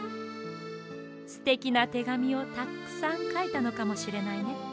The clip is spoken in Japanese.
すてきなてがみをたっくさんかいたのかもしれないね。